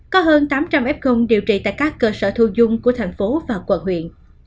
có hơn tám trăm linh f điều trị tại các cơ sở thu dung của thành phố và quận huyện